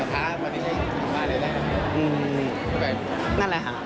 แต่ท้ามันไม่ได้ทำมาเลยนะครับ